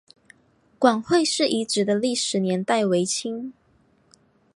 广惠寺遗址的历史年代为清。